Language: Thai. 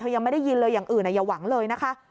ยังไม่ได้ยินเลยอย่างอื่นอย่าหวังเลยนะคะ